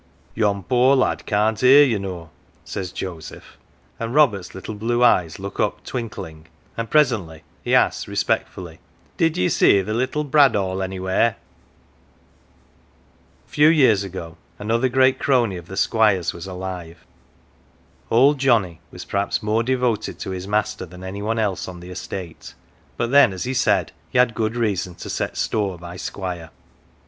" Yon poor lad can't hear, ye know," says Joseph ; and Robert's little blue eyes look up twinkling, and presently he asks respectfully, " Did ye see the little brad awl anywhere ?" A few years ago, another great crony of the Squire's was alive. Old Johnny was perhaps more de voted to his master than any one else on the estate, but then, as he said, he had good reason to set store by Squire.